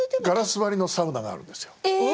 ガラス張りのサウナがあるんです。